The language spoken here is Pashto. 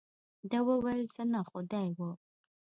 ده وویل، زه نه، خو دی وو.